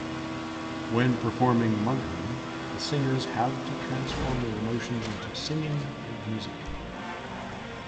When performing mugham, the singers have to transform their emotions into singing and music.